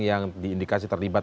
yang diindikasi terlibat